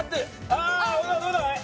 ああどうだい？